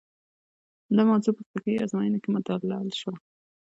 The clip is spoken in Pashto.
دا موضوع په فکري ازموینو کې مدلل شوه.